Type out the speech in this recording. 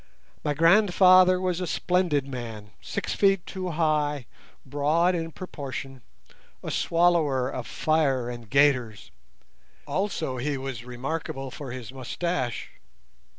My grandfather was a splendid man, six feet two high, broad in proportion, a swallower of fire and gaiters. Also he was remarkable for his moustache.